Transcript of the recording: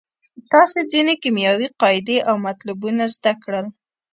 تاسې ځینې کیمیاوي قاعدې او مطلبونه زده کړل.